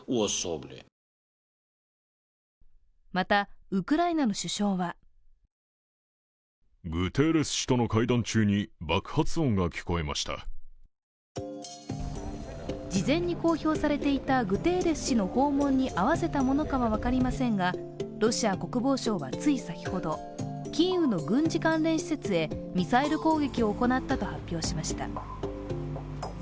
また、ウクライナの首相は事前に公表されていたグテーレス氏の訪問に合わせたものかは分かりませんがロシア国総省はつい先ほど、キーウの軍事関連施設へミサイル攻撃を行ったと発表しました。